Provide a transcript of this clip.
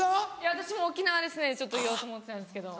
私も沖縄ですね言おうと思ってたんですけど。